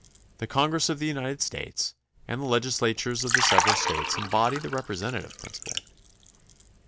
The Congress of the United States and the legislatures of the several States embody the repre sentative principle.